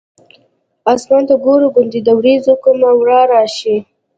اسمان ته ګورو ګوندې د ورېځو کومه ورا راشي.